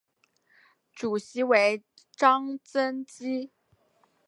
主席为张曾基。